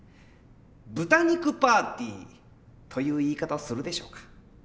「豚肉パーティー」という言い方をするでしょうか。